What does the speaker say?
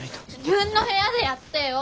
自分の部屋でやってよ。